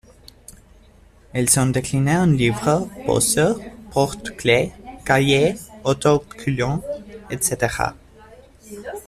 Elles sont déclinées en livres, posters, porte-clés, cahiers, auto-collants, etc.